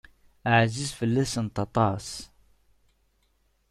Ɛziz fell-asent aṭas.